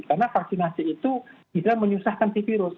karena vaksinasi itu juga menyusahkan virus